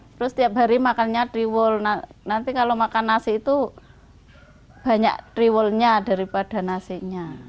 terus tiap hari makannya tiwul nanti kalau makan nasi itu banyak tiwulnya daripada nasinya